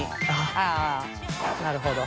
◆あっなるほど。